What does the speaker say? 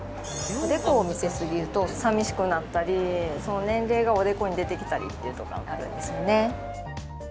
おでこを見せすぎると寂しくなったり年齢がおでこに出てきたりってなるんですよね。